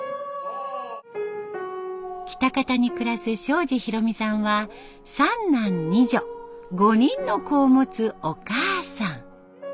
喜多方に暮らす東海林裕美さんは三男二女５人の子を持つお母さん。